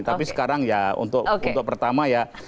tapi sekarang ya untuk pertama ya